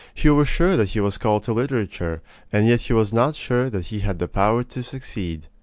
He was sure that he was called to literature, and yet he was not sure that he had the power to succeed.